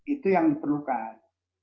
itu yang diperlukan